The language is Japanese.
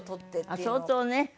あっ相当ね。